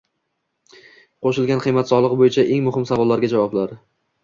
Qo'shilgan qiymat solig'i bo'yicha eng muhim savollarga javoblar